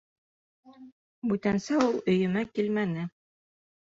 Бүтәнсә ул өйөмә килмәне.